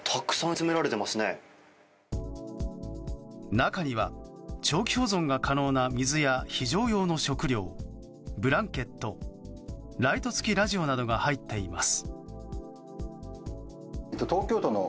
中には長期保存が可能な水や非常用の食料ブランケットライト付きラジオなどが入っています。